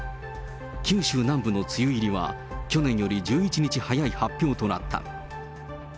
九州南部の梅雨入りは、去年より１１日早い発表となった。